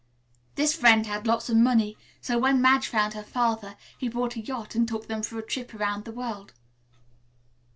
This friend had lots of money, so when Madge found her father he bought a yacht and took them for a trip around the world."